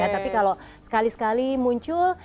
tapi kalau sekali sekali muncul